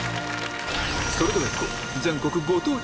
それでは行こう！